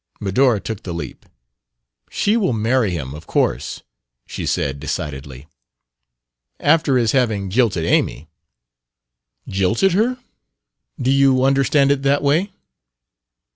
Medora took the leap. "She will marry him, of course," she said decidedly. "After his having jilted Amy " "'Jilted' her? Do you understand it that way?"